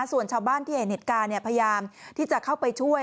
ส่วนชาวบ้านที่เห็นเหตุการณ์พยายามที่จะเข้าไปช่วย